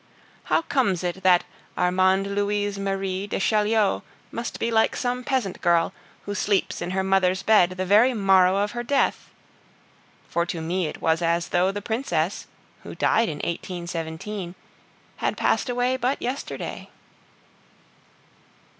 How comes it that Armande Louise Marie de Chaulieu must be like some peasant girl, who sleeps in her mother's bed the very morrow of her death? For to me it was as though the Princess, who died in 1817, had passed away but yesterday.